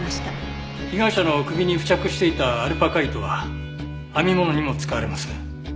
被害者の首に付着していたアルパカ糸は編み物にも使われます。